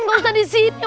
gak usah di situ